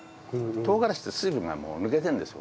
唐辛子って水分がもう抜けてるんですよ